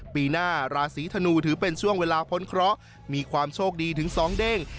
ปีหน้าราศีธนูถือเป็นช่วงเวลาพ้นเคราะห์มีความโชคดีถึงสองเด้ง